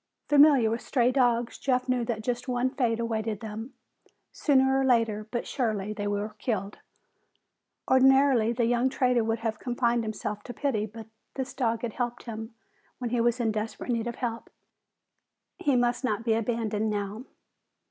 Familiar with stray dogs, Jeff knew that just one fate awaited them; sooner or later, but surely, they were killed. Ordinarily the young trader would have confined himself to pity. But this dog had helped him when he was in desperate need of help. He must not be abandoned now.